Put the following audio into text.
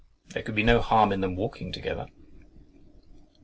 "There could be no harm in them walking together."